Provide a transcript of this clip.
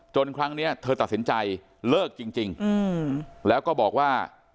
จนครั้งเนี้ยเธอตัดสินใจเลิกจริงจริงอืมแล้วก็บอกว่า